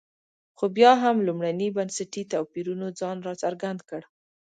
خو بیا هم لومړني بنسټي توپیرونو ځان راڅرګند کړ.